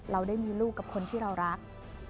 เราได้มีลูกกับคนที่เรารัก